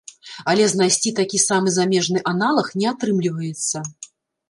Але знайсці такі самы замежны аналаг не атрымліваецца.